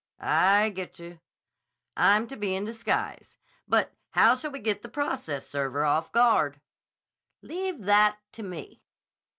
"I get you. I'm to be in disguise. But how shall we get the process server off guard?" "Leave that to me."